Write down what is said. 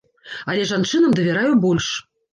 Але жанчынам давяраю больш.